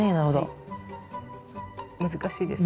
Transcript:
難しいですか？